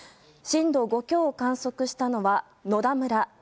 震度５強を観測したのは野田村。